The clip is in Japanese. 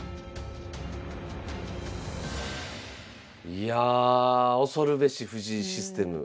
いやあ恐るべし藤井システム。